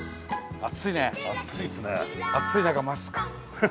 暑い中マスク。